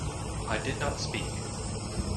I did not speak.